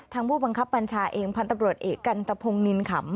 ผู้บังคับบัญชาเองพันธุ์ตำรวจเอกกันตะพงนินขำ